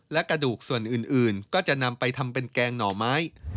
และกระดูกส่วนอื่นก็จะนำไปทำเป็นแกงหน่อไม้